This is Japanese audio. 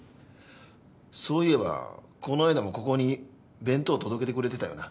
そういえばこの間もここに弁当届けてくれてたよな。